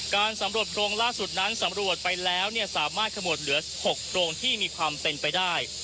การสำรวจโพรงล่าสุดนั้นสำรวจไปแล้วสามารถขมวดเหลือ๖โพรงที่มีความเป็นไปได้